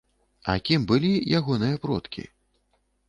А кім былі ягоныя продкі?